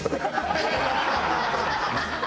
ハハハハ！